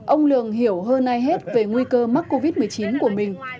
ông lường hiểu hơn ai hết về nguy cơ mắc covid một mươi chín của mình